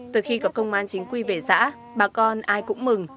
từ khi có công an chính quy về xã bà con ai cũng mừng